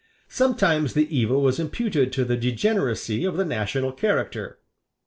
Sometimes the evil was imputed to the degeneracy of the national character.